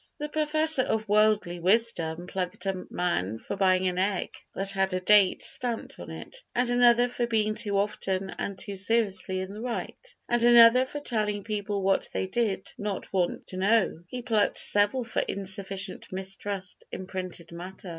The Professor of Worldly Wisdom plucked a man for buying an egg that had a date stamped upon it. And another for being too often and too seriously in the right. And another for telling people what they did not want to know. He plucked several for insufficient mistrust in printed matter.